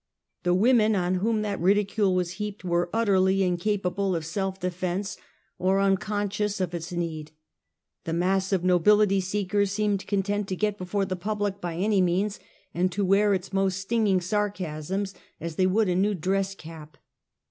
The wo men on whom that ridicule was heaped were utterly incapable of self defense, or unconscious of its need. The mass of nobility seekers seemed content to get before the public by any means, and to wear its most stinging sarcasms as they would a new dress cap.